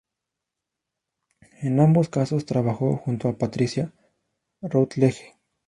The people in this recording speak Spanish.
En ambos casos trabajó junto a Patricia Routledge.